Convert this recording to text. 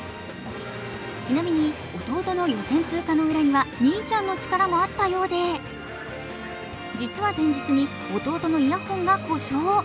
ちなみに弟の予選通過の裏には兄ちゃんの力もあったようで実は前日に弟のイヤホンが故障。